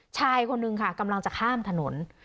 ชายคนนึงค่ะกำลังจะข้ามถนน